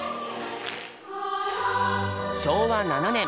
昭和７年。